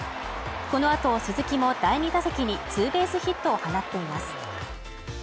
この後、鈴木も第２打席にツーベースヒットを放っています。